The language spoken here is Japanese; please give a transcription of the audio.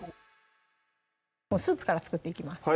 スープから作っていきます